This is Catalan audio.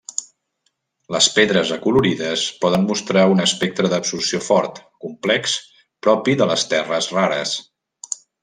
Les pedres acolorides poden mostrar un espectre d'absorció fort, complex, propi de les terres rares.